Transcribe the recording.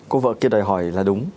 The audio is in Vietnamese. cô vợ kia đòi hỏi là đúng